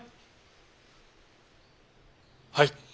はい！